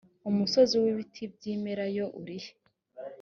umusozi w ibiti by imyelayo urihe